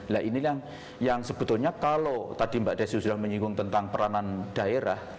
nah ini yang sebetulnya kalau tadi mbak desi sudah menyinggung tentang peranan daerah